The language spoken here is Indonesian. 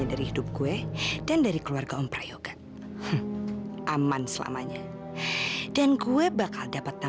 jadi kita bisa lakukan operasinya secepatnya